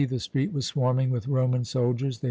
The street was swarming with Roman soldiers.